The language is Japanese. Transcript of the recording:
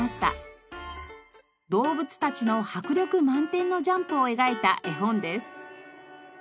動物たちの迫力満点のジャンプを描いた絵本です。